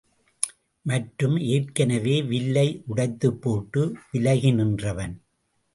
மற்றும் ஏற்கனவே வில்லை உடைத்துப் போட்டு விலகி நின்றவன்.